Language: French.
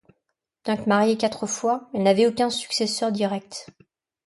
Bien que mariée quatre fois, elle n’avait aucun successeur direct.